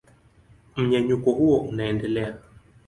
Mmenyuko huo unaendelea.